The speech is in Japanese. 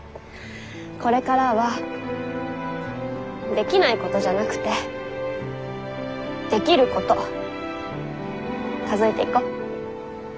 これからはできないことじゃなくてできること数えていこう。